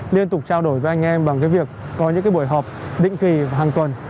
liên tục trao đổi với anh em bằng cái việc có những buổi họp định kỳ hàng tuần